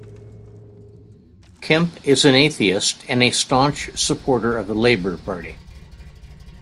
Kemp is an atheist and a staunch supporter of the Labour Party.